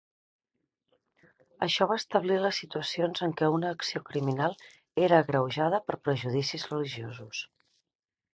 Això va establir les situacions en que una acció criminal era agreujada per prejudicis religiosos.